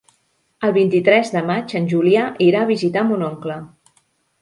El vint-i-tres de maig en Julià irà a visitar mon oncle.